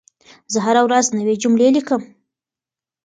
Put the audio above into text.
زه هره ورځ نوي جملې لیکم.